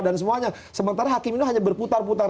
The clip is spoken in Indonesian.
dan semuanya sementara hakim ini hanya berputar putar